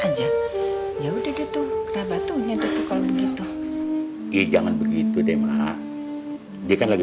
aja ya udah gitu kenapa tuh nyedot kalau begitu jangan begitu deh mak dia kan lagi